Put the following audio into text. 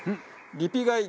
リピ買い